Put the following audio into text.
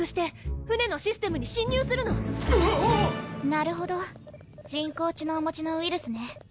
なるほど人工知能持ちのウイルスね。